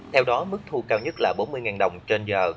theo đó mức thu cao nhất là bốn mươi đồng trên giờ